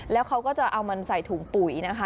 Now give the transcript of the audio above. แล้วเขาก็จะเอามันใส่ถุงปุ๋ยนะคะ